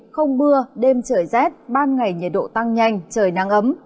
không mưa đêm trời rét ban ngày nhiệt độ tăng nhanh trời nắng ấm